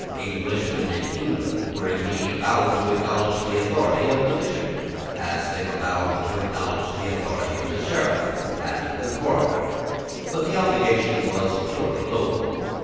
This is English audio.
Englishmen in England were indeed bound to acknowledge the authority of the Bishop, as they were bound to acknowledge the authority of the Sheriff and of the Coroner: but the obligation was purely local.